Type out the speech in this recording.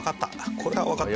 これはわかった。